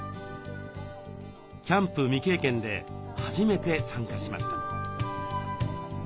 キャンプ未経験で初めて参加しました。